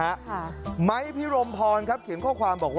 และก็มีการกินยาละลายริ่มเลือดแล้วก็ยาละลายขายมันมาเลยตลอดครับ